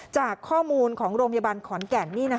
จากข้อมูลของโรงพยาบาลขอนแก่น